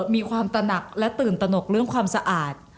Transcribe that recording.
มีความตะหนักและตื่นตะหนกเรื่องความสะอาด